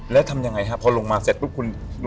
แล้วทำยังไงครับพอลงมาเสร็จทุกคนลงในน้ำ